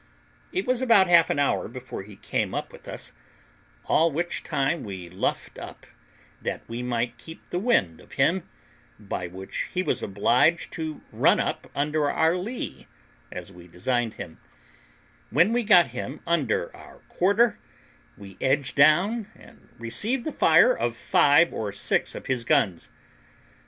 It was about half an hour before he came up with us, all which time we luffed up, that we might keep the wind of him, by which he was obliged to run up under our lee, as we designed him; when we got him upon our quarter, we edged down, and received the fire of five or six of his guns.